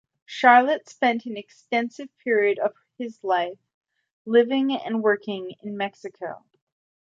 Charlot spent an extensive period of his life living and working in Mexico.